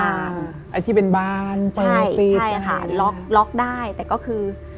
อันที่เป็นบานเปิดปิดค่ะใช่ค่ะล็อกได้แต่ก็คือ